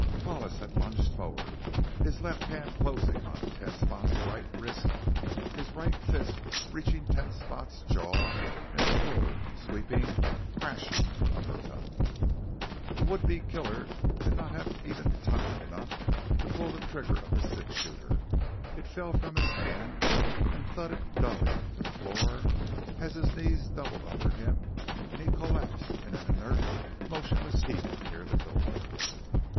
Hollis had lunged forward, his left hand closing on Ten Spot's right wrist, his right fist reaching Ten Spot's jaw in a full, sweeping, crashing uppercut. The would be killer did not have even time enough to pull the trigger of his six shooter. It fell from his hand and thudded dully to the floor as his knees doubled under him and he collapsed in an inert, motionless heap near the door.